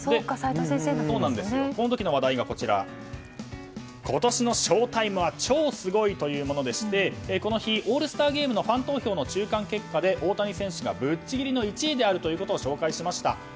この時の話題が今年のショータイムは超スゴい！というものでしてこの日、オールスターゲームのファン投票の中間結果で大谷選手が、ぶっちぎりの１位と紹介しました。